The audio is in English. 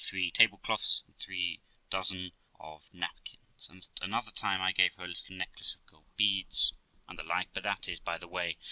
three table cloths and three dozen of napkins; and at another time I gave her a little necklace of gold beads, and the like; but that is by the way.